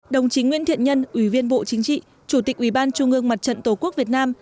đồng chí nguyễn thiện nhân ủy viên bộ chính trị chủ tịch ủy ban trung ương mặt trận tổ quốc việt nam